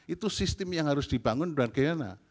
itu sistem yang harus dibangun bagaimana